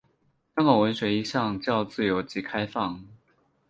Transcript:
香港文学一向较自由及开放。